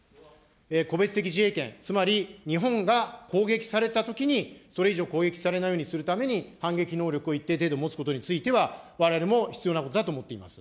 個別的自衛権、つまり、日本が攻撃されたときに、それ以上、攻撃されないようにするために、反撃能力を一定程度持つことについては、われわれも必要なことだと思っています。